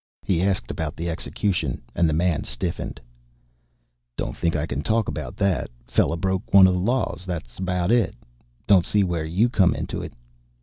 He asked about the execution, and the man stiffened. "Don't think I can talk about that. Fella broke one of the Laws; that's about it. Don't see where you come into it."